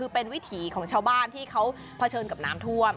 เป็นวิถีของชาวบ้านที่เขาเผชิญกับน้ำท่วม